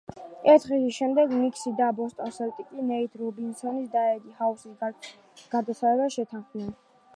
ერთი დღის შემდეგ ნიქსი და ბოსტონ სელტიკსი ნეით რობინსონის და ედი ჰაუსის გაცვლაზე შეთანხმდნენ.